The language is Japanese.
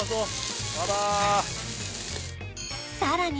さらに